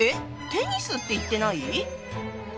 テニスって言ってない？